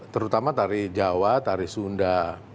terutama nari jawa nari sunda